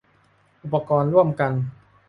อุปกรณ์ร่วมกัน